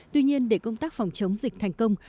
tuy nhiên để công tác phòng chống dịch thành công